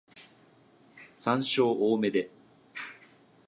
山椒多めで